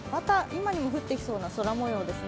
今にも降ってきそうな空模様です。